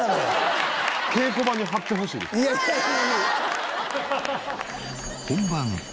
いやいやいい！